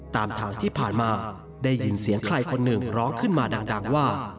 ตามทางที่ผ่านมาได้ยินเสียงใครคนหนึ่งร้องขึ้นมาดังว่า